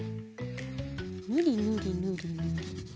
ぬりぬりぬりぬり。